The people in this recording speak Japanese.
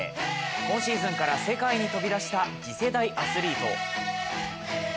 今シーズンから世界に飛び出した次世代アスリート。